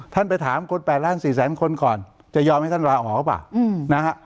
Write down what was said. ท่านไปถามคนแปดล้านสี่แสนคนก่อนจะยอมให้ท่านลาออกหรือเปล่า